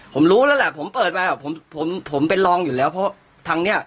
ผมรู้แล้วแหละผมเปิดมาผมผมเป็นรองอยู่แล้วเพราะทางเนี้ย